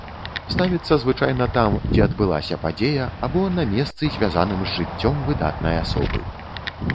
Ставіцца звычайна там, дзе адбылася падзея або на месцы, звязаным з жыццём выдатнай асобы.